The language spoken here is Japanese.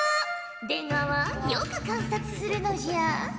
出川よく観察するのじゃ。